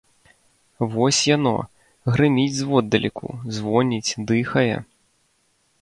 Вось яно, грыміць зводдалеку, звоніць, дыхае.